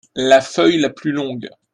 La feuille la plus longue.